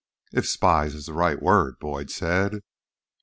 "If spies is the right word," Boyd said.